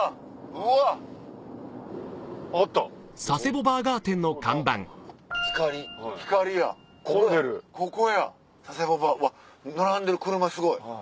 うわ並んでる車すごい。